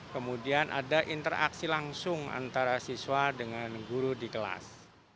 kemudian ada interaksi langsung antara siswa dengan guru di kelas